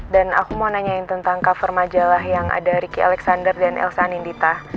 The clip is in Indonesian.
aku mau nanyain tentang cover majalah yang ada ricky alexander dan elsa anindita